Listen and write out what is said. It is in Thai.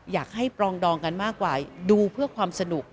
ปรองดองกันมากกว่าดูเพื่อความสนุก